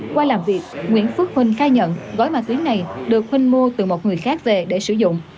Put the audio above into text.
qua làm việc nguyễn phước huynh khai nhận gói ma túy này được huynh mua từ một người khác về để sử dụng